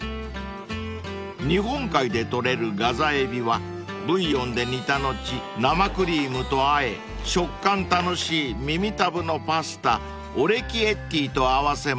［日本海で取れるガザエビはブイヨンで煮た後生クリームとあえ食感楽しい耳たぶのパスタオレキエッティと合わせました］